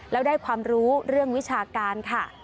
แล้วได้ความรู้เรื่องวิชาการค่ะ